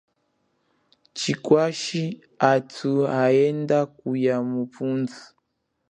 Chikwashi athu haenda kuya muputhu.